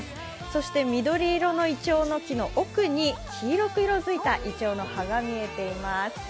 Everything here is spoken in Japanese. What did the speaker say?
そして緑色のいちょうの木の奥に黄色く色づいたいちょうの葉が見えています。